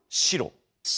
白。